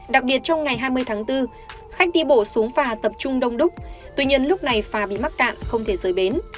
đặc biệt trong ngày hai mươi tháng bốn khách đi bộ xuống phà tập trung đông đúc tuy nhiên lúc này phà bị mắc cạn không thể rời bến